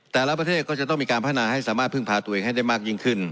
แต่ละประเทศก็จะต้องมีการพัฒนาให้สามารถพึ่งพาตัวเองให้ได้มากยิ่งขึ้น